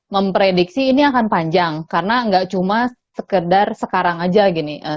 memprediksi ini akan panjang karena nggak cuma sekedar sekarang aja gini sekarang tapi kan akan ada second wave kan ya kan